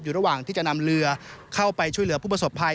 ระหว่างที่จะนำเรือเข้าไปช่วยเหลือผู้ประสบภัย